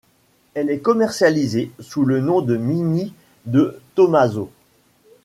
Elle est commercialisée sous le nom Mini De Tomaso.